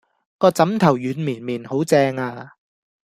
個枕頭軟綿綿好正呀